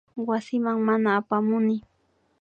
Wasiman mana apamukmi